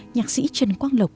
nhạc sĩ trần quang lộc